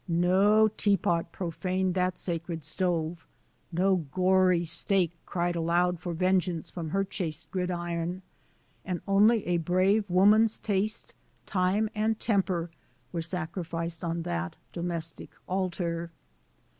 No teapot pro faned that sacred stove, no gory steak cried aloud for vengeance from her chaste gridiron; and only a brave woman's taste, time, and temper were sacrificed on that domestic altar.